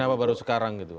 kenapa baru sekarang gitu